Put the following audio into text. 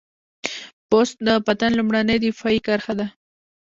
پوست د بدن لومړنۍ دفاعي کرښه ده.